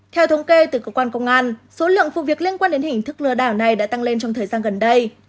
theo thống kê từ cơ quan công an số lượng vụ việc liên quan đến hình thức lừa đảo này đã tăng lên trong thời gian gần đây